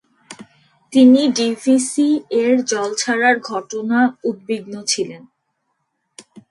তিনি ডিভিসি-এর জল ছাড়ার ঘটনা উদ্বিগ্ন ছিলেন।